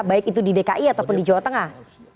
baik itu di dki ataupun di jawa tengah